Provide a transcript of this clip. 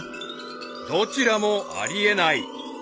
［どちらもあり得ない］